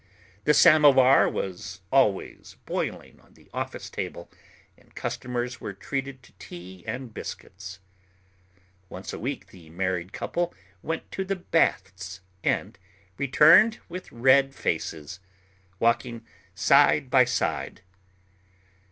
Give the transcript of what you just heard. The samovar was always boiling on the office table, and customers were treated to tea and biscuits. Once a week the married couple went to the baths and returned with red faces, walking side by side.